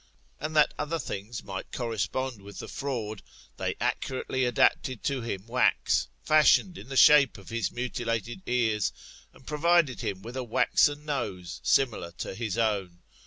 And, that other things might correspond with the fraud, tlicy accurately adapted to him wax, fashioned in the shape of Ills mutilated ears, and provided him with a waxen nose, similar to his own.